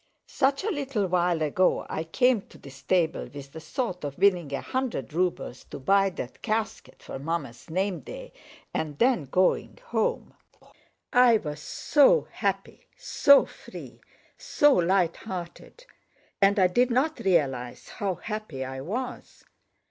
Such a little while ago I came to this table with the thought of winning a hundred rubles to buy that casket for Mamma's name day and then going home. I was so happy, so free, so lighthearted! And I did not realize how happy I was!